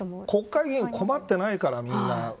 国会議員は困ってないからみんな。